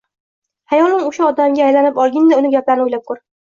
Xayolan oʻsha odamga aylanib olginda, uni gaplarini oʻylab koʻr.